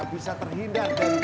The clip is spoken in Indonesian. mungkin ini bisa dipake nih